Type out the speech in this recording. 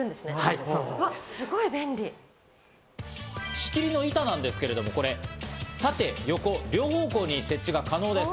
仕切りの板なんですけれども、これ、縦横、両方向に設置が可能です。